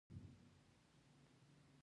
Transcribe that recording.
له دغو ځایونو څخه د بندي تېښته ګرانه وه.